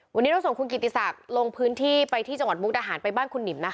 วันนี้เราส่งคุณกิติศักดิ์ลงพื้นที่ไปที่จังหวัดมุกดาหารไปบ้านคุณหนิมนะคะ